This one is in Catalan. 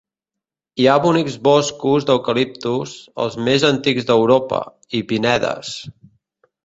Hi ha bonics boscos d'eucaliptus, els més antics d'Europa, i pinedes.